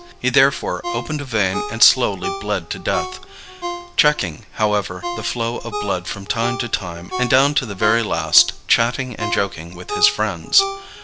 He therefore opened a vein and slowly bled to death, checking, however, the flow of blood from time to time, and down to the very last chatting and joking with his friends.